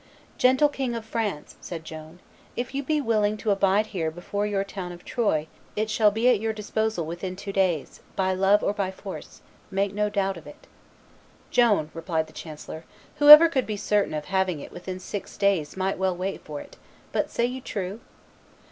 "Gentle king of France," said Joan, "if you be willing to abide here before your town of Troyes, it shall be at your disposal within two days, by love or by force; make no doubt of it." "Joan," replied the chancellor, "whoever could be certain of having it within six days might well wait for it; but say you true?"